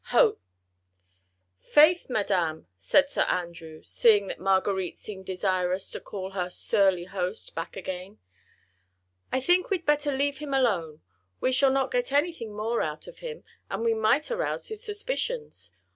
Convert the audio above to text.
HOPE "Faith, Madame!" said Sir Andrew, seeing that Marguerite seemed desirous to call her surly host back again, "I think we'd better leave him alone. We shall not get anything more out of him, and we might arouse his suspicions.